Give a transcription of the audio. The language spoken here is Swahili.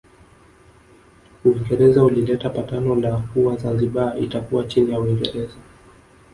Uingereza ulileta patano la kuwa Zanzibar itakuwa chini ya Uingereza